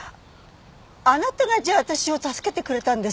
あなたがじゃあ私を助けてくれたんですか？